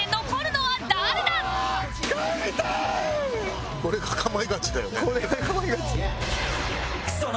はい。